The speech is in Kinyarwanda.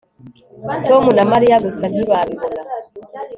Tom na Mariya gusa ntibabibona